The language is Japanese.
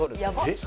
えっ？